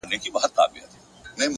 په ياد کي ساته د حساب او د کتاب وخت ته-